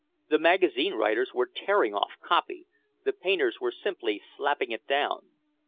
The magazine writers were "tearing off copy," the painters were simply "slapping it down."